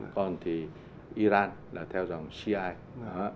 còn thì iran là theo dòng shiite